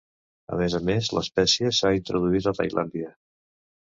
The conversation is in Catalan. A més a més, l'espècie s'ha introduït a Tailàndia.